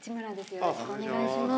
よろしくお願いします。